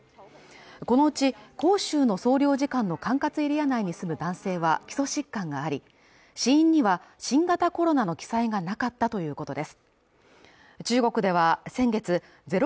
このうち広州の総領事館の管轄エリア内に住む男性は基礎疾患があり死因には新型コロナの記載がなかったということです